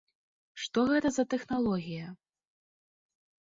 Што гэта за тэхналогія?